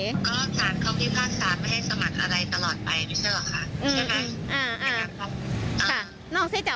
ก็สามารถเข้าที่ภาคศาสตร์ไม่ให้สมัครอะไรตลอดไปไม่ใช่เหรอค่ะใช่ไหม